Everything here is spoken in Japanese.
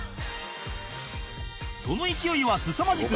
その勢いはすさまじく